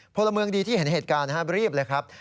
พลเมืองดีที่เห็นเหตุการณ์รีบเลยครับ